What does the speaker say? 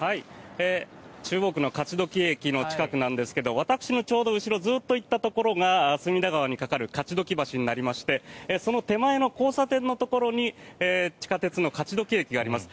中央区の勝どき駅の近くなんですが私のちょうど後ろずっと行ったところが隅田川に架かる勝鬨橋になりましてその手前の交差点のところに地下鉄の勝どき駅があります。